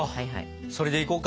それでいこうか。